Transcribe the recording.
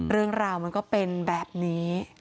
เรื่องราวมันก็เป็นแบบนี้